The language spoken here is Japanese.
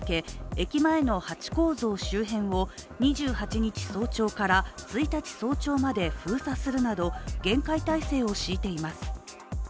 駅前のハチ公像周辺を２８日早朝から１日早朝まで封鎖するなど厳戒態勢を敷いています。